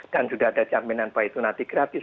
dan sudah ada jaminan bahwa itu nanti gratis